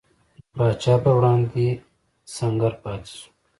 د پاچا پر وړاندې سنګر پاتې شو.